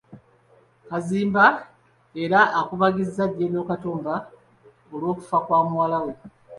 Kaziimba era akubagizza Gen. Katumba olw’okufa kwa muwala we.